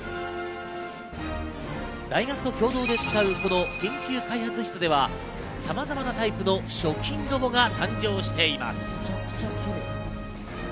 大学と共同で使うこの研究開発室では、さまざまなタイプの食品ロボが誕生しています。